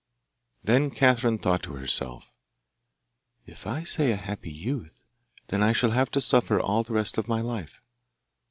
Then Catherine thought to herself, 'If I say a happy youth, then I shall have to suffer all the rest of my life.